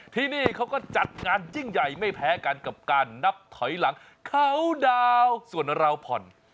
ที่นี่เขาก็จัดงานยิ่งใหญ่ไม่แพ้กันกับการนับถอยหลังเขาดาวส่วนราวผ่อน